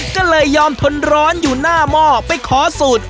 ก็เลยยอมทนร้อนอยู่หน้าหม้อไปขอสูตร